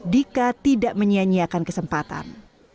dika tidak menyanyiakan kesempatan